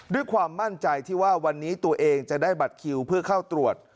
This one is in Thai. ด้วยความมั่นใจที่ว่าวันนี้ตัวเองจะได้บัตรคิวเพื่อเข้าตรวจ